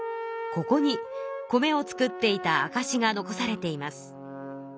ここに米を作っていたあかしが残されています。